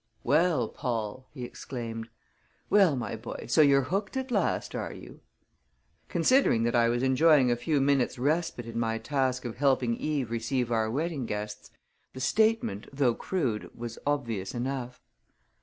"Well, Paul!" he exclaimed. "Well, my boy, so you're hooked at last, are you?" Considering that I was enjoying a few minutes' respite in my task of helping Eve receive our wedding guests, the statement, though crude, was obvious enough.